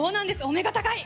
お目が高い？